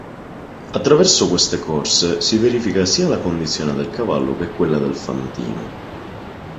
Attraverso queste corse si verifica sia la condizione del cavallo che quella del fantino.